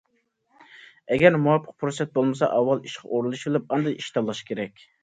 ئەگەر مۇۋاپىق پۇرسەت بولمىسا، ئاۋۋال ئىشقا ئورۇنلىشىۋېلىپ ئاندىن ئىش تاللاش كېرەك.